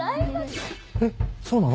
えっそうなの？